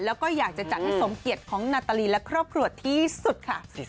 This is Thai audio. แล้วก็อยากจะจัดให้สมเกียจของนาตาลีและครอบครัวที่สุดค่ะ